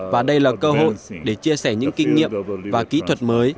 và đây là cơ hội để chia sẻ những kinh nghiệm và kỹ thuật mới